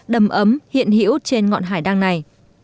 đầm ấm hiện hữu trên ngọn hải đăng này